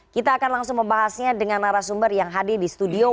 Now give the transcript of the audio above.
kita akan langsung membahasnya dengan arah sumber yang hadir di studio